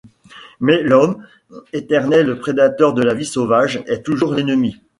Mais l'homme, éternel prédateur de la vie sauvage, est toujours l'ennemi.